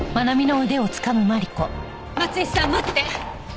松井さん待って！